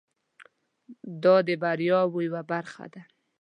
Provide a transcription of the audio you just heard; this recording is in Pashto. دا د بریاوو یوه برخه ده.